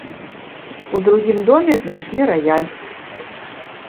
У другім доме знайшлі раяль.